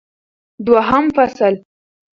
دوهم فصل